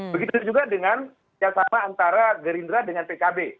begitu juga dengan yang sama antara gerindra dengan pkb